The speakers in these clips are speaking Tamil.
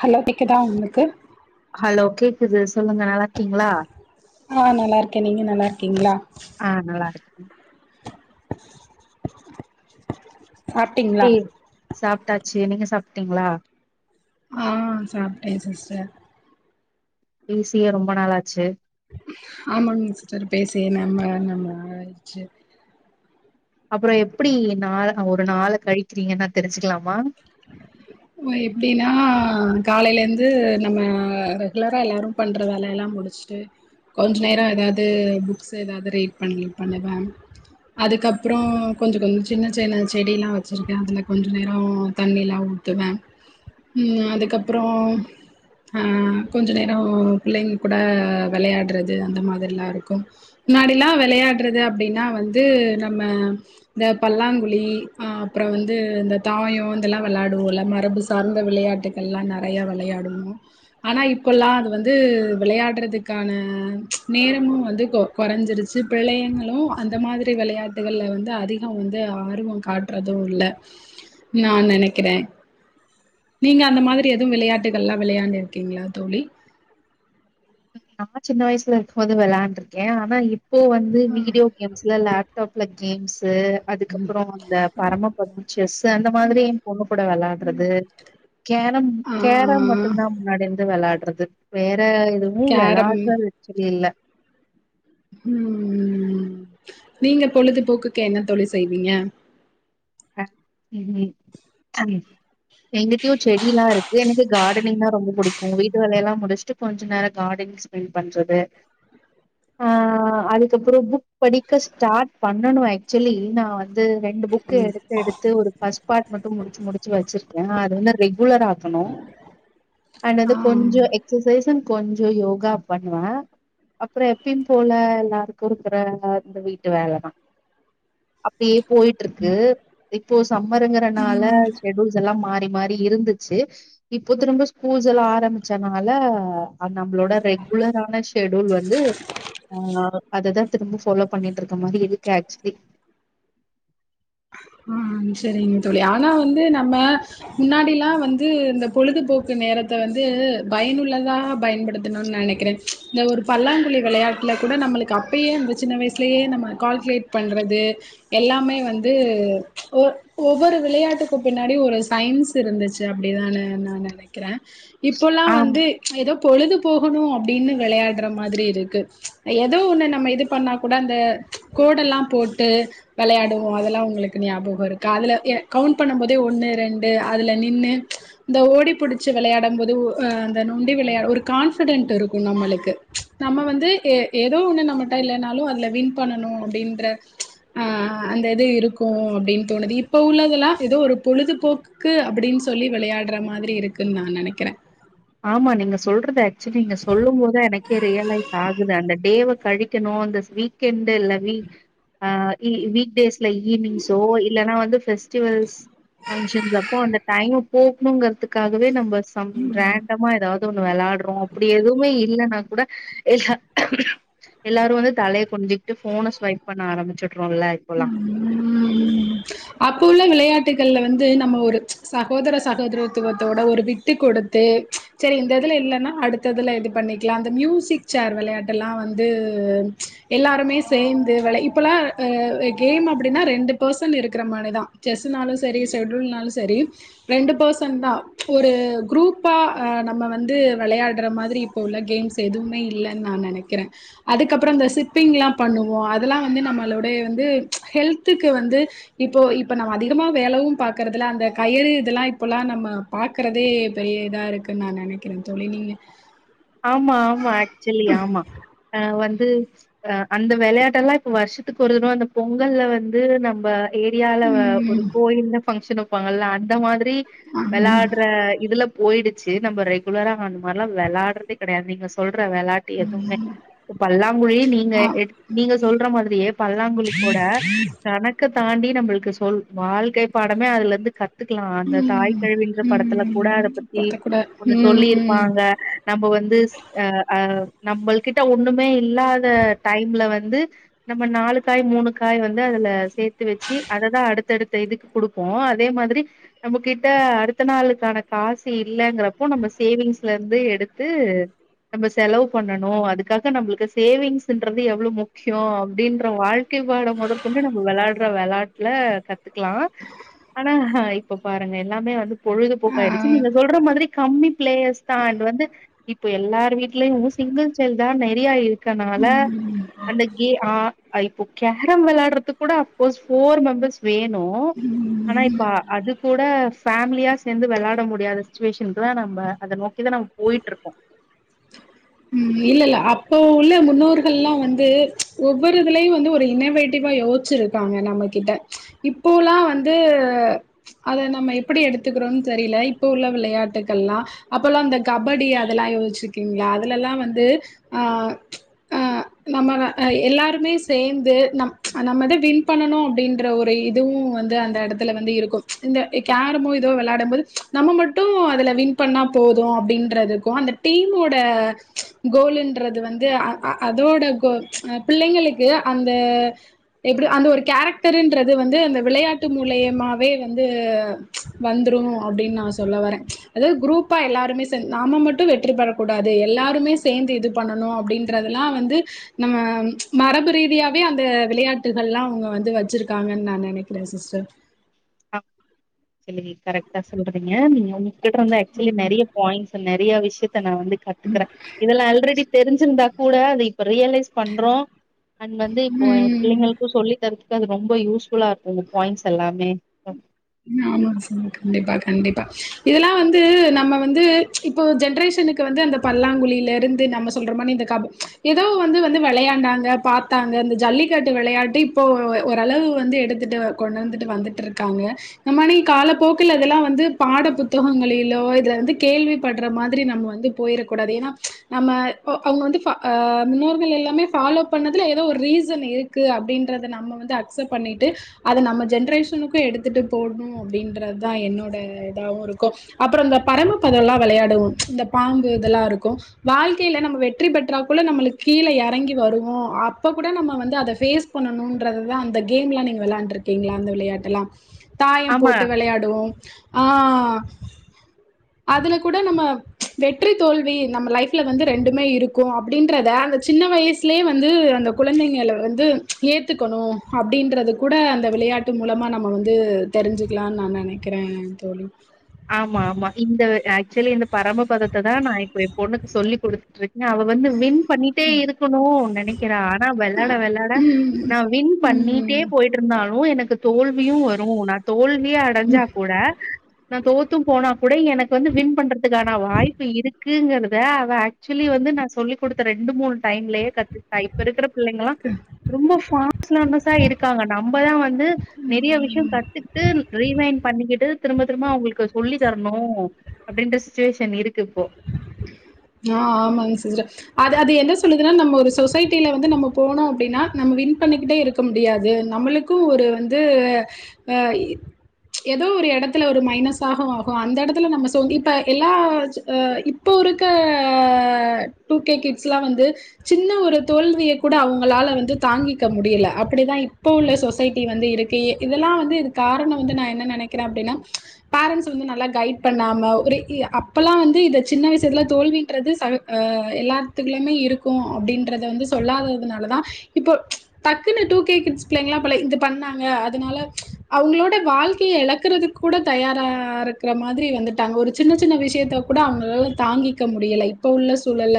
ஹலோ கேக்குதா உங்குளுக்கு ஹலோ கேக்குது சொல்லுங்க நல்லா இருக்கீங்களா ஆ நல்லா இருக்கே நீங்க நல்லா இருக்கீங்களா ஆ நல்லா இருக்கே [inaudible] சாப்டீங்களா சாப்புட்டாச்சு நீங்க சாப்டீங்களா ஆ சாப்டே சிஸ்டர் பேசியே ரொம்ப நாளாச்சு ஆமாங் சிஸ்டர் பேசியே நெம்ம நெம்ம நாளாயிருச்சு அப்புறோ எப்டி நாள ஒரு நாள்ல கழிக்கிறீங்க நா தெரிஞ்சுக்கலாம் ஓ எப்டின்னா காலையில இருந்து நம்ம ஆ ரெகுலரா எல்லாரு பண்ற வேலையெல்லாம் முடுச்சுட்டு கொஞ்சு நேர எதாவது புக்ஸ்சு எதாவுது ரீட் பண்ணி பண்ணுவேம் அதுக்கப்புறோ கொஞ்சு கொஞ்சு சின்ன சின்ன செடியில்லா வெச்சிருக்கே அதுல கொஞ்ச நேர ஓ தண்ணில்லா ஊத்துவே உம் அதுக்கப்புறோ ஆ கொஞ்ச நேரோ பிள்ளைங் கூட விளையாடுறது அந்த மாதிரிலா இருக்கும் முன்னாடில்லா விளையாடுறது அப்படின்னா வந்து நம்ம இந்த பல்லாங்குழி ஆ அப்பற வந்து இந்தப் தாயோ இந்தெல்லா விள்ளாடுவோல்ல மரபு சார்ந்த விளையாட்டுகள்லா நிறையா விளையாடுவோ ஆனா இப்பல்லா அது வந்து விளையாடுறதுக்கான நேரமும் வந்து கொ கொறஞ்சிருச்சு பிள்ளைங்களு அந்த மாதிரி விளையாட்டுகள்ல வந்து அதிகோ வந்து ஆர்வம் காட்டுறது இல்ல நான் நெனைக்கிறே நீங்க அந்த மாதிரி எதுவும் விளையாட்டுகள்லாம் விளையாண்டிருக்கீங்களா தோழி நா சின்ன வயசுல இருக்கும்போது வெளான்ருக்கே ஆனா இப் இப்போ வந்து வீடியோ கேம்ஸ்ல லேட் தோப்லக் கேம்ஸ்சு அதுக்கப்புறோ இந்த பரமப்பதம் செஸ் அந்த மாதிரி என் பொண்ணு கூட வெள்ளாடுறது கேரம் ஆ கேரம் மட்டுந்தா முன்னாடியிருந்து வெள்ளா றதுக் வேற ன்னு கேரம் வெள்ளாடுற வெச்சரியில்ல உம் நீங்க பொழுதுபோக்குக்கு என்ன தோழி செய்வீங்க [unintelligible] எங்கிட்டயு செடியில்லா இருக்கு எனக்கு காடர்னிங்னா ரொம்ப பிடிக்கு வீட்டு வேலை எல்லா முடிச்சுட்டு கொஞ்சு நேரோ காடன்ஸ் ஸ்பெண்ட் பண்றது ஆ அதுக்கப்புறம் புக் படிக்க ஸ்டாட் பண்ணனு ஆக்சுயிலி நா ந்து ரெண்டு புக் எடுத்து எடுத்து ஒரு பஸ்ட் பார்ட் மட்டும் முடிச்சு முடிச்சு வச்சிருக்கே அது என்ன ரெகு ஆக்கணு அண்ட் வந்து ஆ கொஞ்சோ எக்சசைஸ் கொஞ்சோ யோகா பண்ணுவே அப்பறோ எப்பயு போல எல்லாருக்கு இருக்கிற இந்தந்த வீட்டு வேல தா அப்டியே போய்ட்டு இருக்கு இப்போ சம்மர்ங்கறனால ம் ஷெடியூல்ஸ் எல்லா மாறி மாறி இருந்துச்சு இப்போ திரும்ப ஸ்கூல்ஸ் எல்லா ஆரம்பிச்சதுனால நம்மளோட ரெகுலரான ஷெடியூல் வந்து ஆ அததா திரும்ப ஃபாலோ பண்ணிட்டு இருக்க மாரி இருக்கு ஆக்சுவலி ம் செரிங்க தோழி ஆனா வந்து நம்ம முன்னாடி எல்லா வந்து இந்த பொழுதுபோக்கு நேரத்த வந்து பயனுள்ளதா பயன்படுத்தணும்னு நெனக்கிறே இந்த ஒரு பல்லாங்குழி வெளயாட்டுல கூட நம்மளுக்கு அப்பயே இந்த சின்ன வயசுலயே நம்ம கால்குலேட் பண்றது எல்லாமே வந்து வந்து ஒ ஒவ்வொரு விளையாட்டுக்கு பின்னாடி ஒரு சயின்ஸ் இருந்துச்சு அப்டிதான்னு நா நெனக்கிறே இப்போல்லா ஆம் வந்து ஏதோ பொழுது போகணு அப்டின்னு வெளயாடுற மாரி இருக்கு ஏதோ ஒன்னு நம்ம இது பண்ண கூட அந்த கோடெல்லா போட்டு விளையாடு அதல்லா உங்களுக்கு ஞாபக இருக்கு அதுல கவுன்ட் பண்ணு போதே ஒன்னு ரெண்டு அதுல நின்னு இந்த ஓடி பிடிச்சு விளயாடம் போது நொண்டி விளைய ஒரு கான்பிடென்ட் இருக்கு நம்மளுக்கு நம்ம வந்து ஏதோ ஒன்னு நம்மட்ட இல்லைனாலு அதுல வின் பண்ணும் அப்டின்ற ஆ அந்த இது இருக்கு அப்டின்னு தோணுது இப்ப உள்ளதெல்லா ஏதோ ஒரு பொழுதுபோக்குக்கு அப்டின்னு சொல்லி வெளயாடுற மாதிரி இருக்குன்னு நா நெனக்குறே ஆமா நீங்க சொல்றது ஆக்சுவலி நீங்க சொல்லும் போத எனக்கே ரியலைஸ் ஆகுது அந்த டேவை கழிக்கணு அந்த வீக்ண்ட் இல்ல வீக்டேஸ்ல ஈவினிங்ஸோ இல்லலைன்னா வந்து பெஸ்டிவல்ஸ் பங்கஷன்ஸ் அப்போ அந்த டைம் போகணுங்கறிதுக்காகவே நம்ம சம் ரேன் ஒன்னு வெளயாடுறோ அப்டி எதுவுமே இல்லைன்னா கூட எல்லாரு வந்து தலய குனுஞ்சுகிட்டு ஃபோன ஸ்வைப் பண்ண ஆரம்பிச்ச உம் அப்போ உள்ள விளயாட்டு வந்து நம்ம ஒரு சகோதர சகோதரத்துவத்தோட ஒரு விட்டு கொடுத்து சரி இந்த இதுல இல்லைன்னா அடுத்ததுல இது பண்ணிக்கலா அந்த மியூசிக் சேர் விளையாட்டு எல்லா வந்து எல்லாருமே சேர்ந்து விள இப்பல்லா கேம் அப்டின்னா ரெண்டு பேர்சன் இருக்ற மாரிதா செஸ்னாலு சரி செடுல்னாலு சரி ரெண்டு பர்சன் தா ஒரு குரூப்பா நம்ம வந்து வெளயாடுற மாதிரி இப்போ உள்ள கேம்ஸ் எதுவுமே இல்லைன்னு நா நெனக்குறே அதுக்கப்பறோ இந்த சிப்பிங்லா பண்ணுவோ அதெல்லா வந்து நம்மளோடய வந்து ஹெல்த்துக்கு வந்து இப்போ இப்ப நம்ம அதிகமா வேலயு பாக்குறதுல அந்த கயிறு இதெல்லா இப்பல்லா நம்ம பாக்குறதே பெரிய இதா இருக்குன்னு நா நெனக்குறே தோழி நீங்க ஆமா ஆமா ஆக்சுவலி ஆமா அ வந்து அந்த விளையாட்ட எல்லா இப்ப வருஷத்துக்கு ஒரு தடவ அந்த பொங்கல்ல வந்து நம்ம ஏரியால ஒரு ம் கோயில பங்க்ஷன் இருப்பாங்கல்ல அந்த மாதிரி ஆம். வெளயாடுற இதுல போயிடுச்சு நம்ம ரெகுலரா அந்த மாரிலா வெளாடுற கெடயவே கெடயாது நீங்க சொல்ற விளையாட்டு எதுவுமே பல்லாங்குழி நீங்க ஆ. எ நீங்க சொல்ற மாதிரியே பல்லாங்குழி கூட தனக்கு தாண்டி நம்மளுக்கு சொல் வாழ்க்கை பாடமே அதுல இருந்து கத்து கத்துக்கலா அந்த ம் தாய்க்கெழவின்ற படத்துல கூட ம் அத பத்தி பார்த்தக்கூட ஒன்னு ம் சொல்லிருப்பாங்க இப்போ வந்து அ நம்ம கிட்ட ஒண்ணுமே இல்லாத டைம்ல வந்து நம்ம நாலு காய் மூணு காய் வந்து அதுல சேத்து வச்சு அததா அடுத்தடுத்த இதுக்கு கொடுப்போ அதே மாதிரி நம்ம கிட்ட அடுத்த நாளுக்கான காசு இல்ங்கிறப்போ நம்ம சேவிங்ஸ்ல இருந்து எடு வந்து நம்ம செலவு பண்ணணு அதுக்காக நம்மளுக்கு சேவிங்ஸ்ன்றது எவ்ள முக்கியோ அப்டின்ற வாழ்க் வாழ முதற்கொண்டு நம்ம வெளா விளையாட்டுல கத்துக்கலா ஆனா ஹ இப்ப பாருங்க எல்லாமே வந்து பொழுதுபோக்க ஆ. ஆயிடுச்சு நீங்க சொல்ற மாதிரி கம்மி பிளேயஸ் தா அது வந்து இப்போ எல்லார் வீட்லயு சிங்கிள் சைல்டு தா நெறைய ஆயிருக் இருக்கனால அந்த கே ஆ அ இப்போ கேரம் விளையாடுறதுக்கு கூட அஃப்கோஸ் ஃபோர் மெம்பர்ஸ் வேணு ஆனா ம் இப்ப அது கூட ஃபேமிலியு சேர்ந்து விளாட முடியாத சுச்சுவேஷனுக்குதா நம்ம அத நோக்கி தா நம்ம போயிட்டு இருக் [inaudible] இல்ல இல்ல அப்போ உள்ள முன்னோர்கள் எல்லா வந்து ஒவ்வொரு இதுலயு வந்து ஒரு இன்னவேட்டிவா யோசிச்சிருக்காங்க நம்ம கிட்ட இப்போல்லா வந்து அத நம்ம எப்டி எடுத்துக்கிறோ தெரில இப்போ உள்ள விளையாட்டுகள்ல்லா அப்பலா இந்த கபடி அதெல்லா யோசிச்சிருக்கீங்களா அதுல எல்லா வந்து ஆ ஆ நம்ம எல்லாருமே சேந்து நம் நம்மத வின் பண்ணணு அப்டின்ற ஒரு இதுவு வந்து அந்த இடத்துல வந்து இருக்கு கேரமோ எதோ வெளாயாடு போது நம்ம மட்டு அதுல வின் பண்ணா போதும் அப்டின்றதுக்கு அந்த டீமோட கோல்ன்றது வந்து அ அ அதோட கோ பிள்ளைங்களுக்கு அந்த எப்டி அந்த ஒரு கேரக்டர் இன்றது வந்து அந்த விளையாட்டு மூலியமாவே வந்து வந்துடு அப்டின்னு நா சொல்ல வரே அது குரூப்பா எல்லாருமே சேந்து நாம மட்டு வெற்றி பெறக் கூடாது எல்லாரு எப்பவுமே சேந்து இது பண்ணணு அப்டின்றதெல்லா வந்து நம்ம மரபு ரீதியாவே அந்த விளாயாட்டுகள் எல்லா அவுங்க வந்து வச்சிருக்காங்கன்னு நா நினைக்கிறே சிஸ்டர் அ சரி கரெக்டா சொல்றீங்க நீங்க உங் இருந்து ஆக்சுவலி நெறைய பாயிண்ட்ஸ் நெறையா விஷயத் த்த நா வந்து கத்துக்கிறே இதுல அல்ரெடி தெரிஞ்சிருந்தா கூட அது இப்ப ரியலைஸ் பண்றோ அன் வந்து இப்போ என் பிள்ளைங்களுக்கு சொல்லி தருத் அது ரொம்ப யூஸ்ஃபுல்லா இருக்கு பாயிண்ட்ஸ் எல்லாமே அ ஆமா சார் கண்டிப்பா கண்டிப்பா இதெல்லா வந்து நம்ம வந்து இப்போ ஜென்ரேஷனுக்கு வந்து அந்த பல்லாங்குழில இருந்து நம்ம சொல்ற மாதிரி இந்த க ஏதோ வந்து வந்து விளையாண்டாங்க பார்த்தாங்க அந்த ஜல்லிக்கட்டு விளையாட்டு இப்போ ஓரளவு வந்து எடுத்துட்டு கொண்டு வந்துட்டு வந்துட்டு இருக்காங்க நம்ம இனி காலப்போக்குல இதெல்லா வந்து பாட புத்தகங்களிலோ இதுல வந்து கேள்வி படுற மாதிரி நம்ம வந்து போயிரக்கூடாது ஏன்னா நம்ம அவங்க வந்து அ முன்னோர்கள் எல்லாமே ஃபாலோ பண்ணதுல ஏதோ ஒரு ரீசன் இருக்கு அப்படின்றத நம்ம வந்து அக்செப்ட் பண்ணிட்டு அத நம்ம ஜென்ரேஷனுக்கு எடுத்துட்டு போடணு அப்டின்றது தா என்னோட இதாவு இருக்கு அப்புறோ இந்த பரம பதம்ல்லா விளையாடுவோ இந்த பாம்பு இதெல்லா இருக்கு வாழ்க்கையில நம்ம வெற்றி பெற்றா கூள்ள நம்மளுக்கு கீழே இறங்கி வருவோ அப்ப கூட நம்ம வந்து அதை ஃபேஸ் பண்ணணும்ன்றதுதா அந்த கேம் எலாம் நீங்க விளையாண்டு இருக்கீங்களா அந்த விளையாட்டு எல்லா தாயம் ஆமா, போட்டு விளையாடுவோ ஆ ஆ அதுல கூட நம்ம வெற்றி தோல்வி நம்ம லைஃப்ல வந்து ரெண்டுமே இருக்கு அப்படின்றத அந்த சின்ன வயசுலயே வந்து அந்த குழந்தைங்க வந்து ஏத்துக்கணு அப்படின்றது கூட அந்த விளையாட்டு மூலமா நம்ம வந்து வந்து தெரிஞ்சுக்கலாம்னு நா நினைக்கிறே தோழி பரம்ப பதத்த தா நா இப்போ என் பொண்ணுக்கு சொல்லி கொடுத்துட்டு இருக் ந அவ வந்து வின் பண்ணிட்டே இருக்கணு இப்போ நெனைக்கிறே ஆனா விளாட விளாட ம் நா வின் பண்ணிட்டே ம் போயிட்டு இருந்தாலு எனக்கு தோல்வியு வரு நா தோல்வியே அடைஞ்சா கூட நா தோத்தும் போனா குடை எனக்கு வந்து வின் பண்றதுக்கான வாய்ப்பு இருக் க்குங்கறத அவ ஆக்சுவலி வந்து நா சொல்லி குடுத்த ரெண்டு மூணு டைம்ல கத்துக்கிட்டா இப்ப இருக்குற பிள்ளைங்கா ரொம்ப [unintelligible] இருக்காங்க நம்மதா வந்து நெறைய விஷயம் ம் கத்துட்டு ரீவைண்ட் பண்ணிக்கிட்டு திரும்பத் திரும்ப அவுங்களுக்கு சொல்லி தரணு அப்டின்ற சிச்சுவேஷன் இருக்கு இப்போ ஆ ஆமாங்க சிஸ்டர் அது அது என்ன சொல்லுதுன்னா நம்ம ஒரு சொசைட்டில வந்து நம்ம போனோ அப்டின்னா நம்ம வின் பண்ணிக்கிட்டே இருக்க முடியாது நம்மளுக்கு ஒரு வந்து அ ஏதோ ஒரு எடத்துல ஒரு மைனஸ் ஆகு ஆகும் அந்த எடத்துல நம்ம இப்ப எல்லா இப்ப ஒரு க்க டூகே கிட்ஸ் எல்லா வந்து சின்ன ஒரு தோல்விய கூட அவங்களால வந்து தாங்கிக்க முடியல அப்டிதா இப்ப உள்ள சொசைட்டி வந்து இருக்கு இதெல்லா வந்து இது காரணம் வந்து நா என்ன நெனைக்கிறே அப்டின்னா பேரண்ட்ஸ் வந்து நல்லா கைட் பண்ணாம ஒரு அப்பெல்லா வந்து இத சின்ன விசயத்துல தோல்வின்றது சக எல்லாத்துக்குமே இருக்கு அப்டின்றத வந்து சொல்லாததுனால தா இப்போ டக்குன்னு டூ கே கிட்ஸ் பிள்ளைங்களா பல இது பண்ணாங்க அதனால அவங்களோட வாழ்க்கைய இழக்கறதுக்கு கூட தயாரா இருக்கிற மாரி வந்துட்டாங்க ஒரு சின்ன சின்ன விஷயத்த கூட அவங்களால தாங்கி இக்க முடியல இப்ப உள்ள சூழல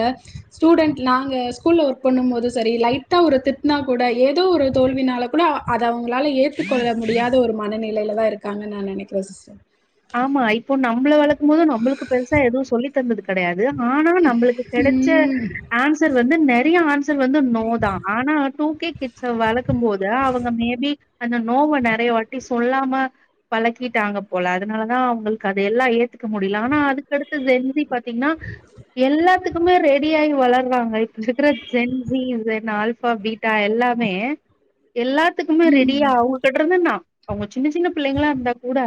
ஸ்டூடண்ட் நாங்க ஸ்கூல்ல ஒர்க் பண்ணு போது சரி லைட்டா ஒரு திட்னா கூட ஏதோ ஒரு தோல்வினால கூட அத அவுங்களால ஏத்துக்கொள்ள முடியாத ஒரு மனநிலையில தா இருக்காங்கு நா நெனைக்கிறே சிஸர் ஆமா இப்போ நம்மள வளக்கு போது நம்மளுக்கு பெருசா எதும் சொல்லி தந்தது கடையா ஆனா நம்மளுக்கு கெடைச்ச ம் ஆன்சர் வந்து நெறைய ஆன்சர் சர் வந்து நோ தா ஆனா டூ கே ச வளக்கு போது அவுங்க மே பி அந்த நோவ நெறைய வாட்டி சொல்லாம பழக்கிட்டாங்க போல அதனாலதா அவுங்களுக்கு அத எல்லா ஏத்துக்க முடில ஆனா அதுக்கடு செஞ்சு பாத்தீங்கன்னா எல்லாத்துக்குமே ரெடி ஆயி வளர்றாங்க சிக்கிற ஜென்ஸ்சி செனால் ஃபா பீட்டா எல்லாமே எல்லாத்துக்குமே ரெடியா ம் அவங்ககிட்ட இருந்தனா அவங்க சின்ன சின்ன பிள்ளங்களா இருந்தா கூட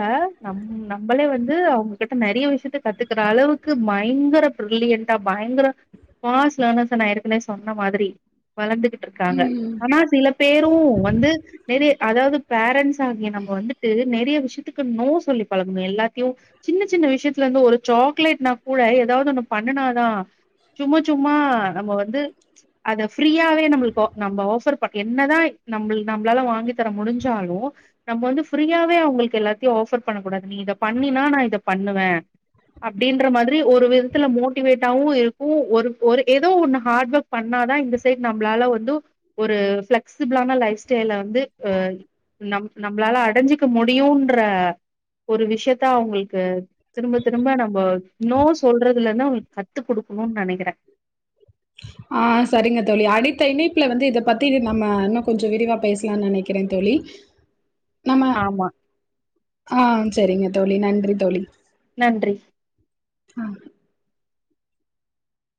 நம் நம்மளே வந்து அவுங்ககிட்ட நெறைய விஷயத்த கத்துக்கற அளவுக்கு பைங்கர பிரில்லியன்ட்டா பைங்கர பாஸ்ட் லேர்னர்ஸ நா இருக்குனே சொன்ன மாரி வளந்துகிட்டு இருக்காங்க ம் ஆனா சில பேரு வந்து நெறைய ஆனா அதாது பேரண்ட்ஸ் ஆகிய நம்ம வந்துட்டு நெறைய விஷயத்துக்கு நோ சொ சொல்லி பழகனு எல்லாத்தியு சின்ன சின்ன விஷயத்துல இந்து ஒரு சாக்லேட்னா கூட ஏதாது ஒன்னு பண்ணுனாதா சும்மா சும்மா நம்ம வந்து அத ஃபிரியாவே நம்மளுகா நம்ம ஆஃபர் என்னதா நம வாங்கி தர முடிஞ்சாலு நம்ம வந்து ஃபிரியாவே அவளுக்கு எல்லாத்தையு ஆஃபர் பண்ணக்கூடாது நீ இத பண்ணினா நா இத பண்ணுவே அப்டின்ற மாரி ஒரு விதத்துல மோட்டிவேட்டாவு இருக்கு ஒரு ஒரு எதோ ஒன்னு ஹாட் வொர்க் பண்ணா தா இந்த சைடு நம்மளால வந்து ஒரு ஃப்ளக்ஸிபுளனா லைஃப் ஸ்டைல வந்து அ நம் நம்மளால அடைஞ்சுக்க முடியுன்ற ஒரு விஷயத்தா அவங்களுக்கு திரும்ப திரும்ப நம்ம நோ சொல்றதுலன்னா அவுங்களுக்கு கத்து குடுக்கணும்னு நெனைக்கிறே ஆ சரிங்க தோழி அடித்த இணைப்புல வந்து இத பத்தி நம்ம இன்னு கொஞ்ச விரிவா பேசலா நெனைக்கிறே தோழி நம்ம ஆமா ஆ செரிங்க தோழி நன்றி தோழி நன்றி ஆ